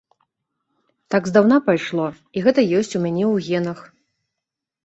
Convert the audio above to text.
Так здаўна пайшло, і гэта ёсць у мяне ў генах.